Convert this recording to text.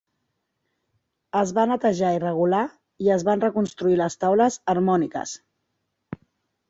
Es va netejar i regular, i es van reconstruir les taules harmòniques.